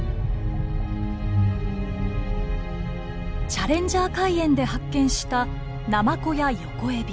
チャレンジャー海淵で発見したナマコやヨコエビ。